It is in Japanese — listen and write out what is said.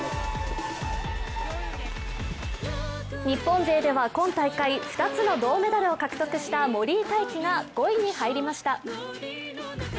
日本勢では今大会２つの銅メダルを獲得した森井大輝が５位に入りました。